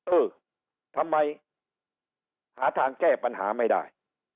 เออทำไมหาทางแก้ปัญหาไม่ได้